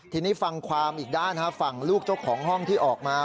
ทีนี้ฟังความอีกด้านฝั่งลูกเจ้าของห้องที่ออกมา